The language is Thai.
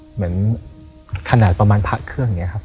เหมือนขนาดประมาณพระเครื่องอย่างนี้ครับ